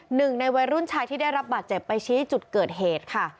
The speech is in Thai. หนึ่งในวัยรุ่นชายที่ได้รับบาดเจ็บไปชี้จุดเกิดเหตุค่ะ